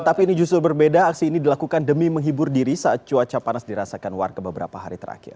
tapi ini justru berbeda aksi ini dilakukan demi menghibur diri saat cuaca panas dirasakan warga beberapa hari terakhir